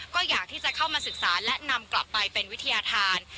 ก็อยากที่จะเข้ามาศึกษาและนำกลับไปเป็นวิทยาธาร